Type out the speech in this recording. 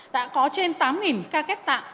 đã có trên tám ca ghép tạng